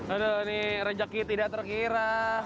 aduh ini rejeki tidak terkira